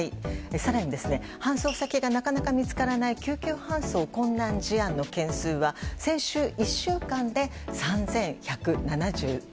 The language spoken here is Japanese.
更に、搬送先がなかなか見つからない救急搬送困難事案の件数は先週１週間で３１７３件。